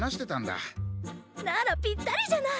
ならぴったりじゃない。